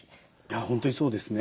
本当にそうですね。